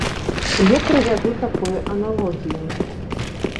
Я правяду такую аналогію.